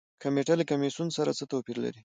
کمیټه له کمیسیون سره څه توپیر لري؟